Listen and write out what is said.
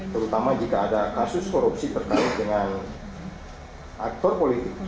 terutama jika ada kasus korupsi terkait dengan aktor politik